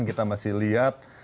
kita masih lihat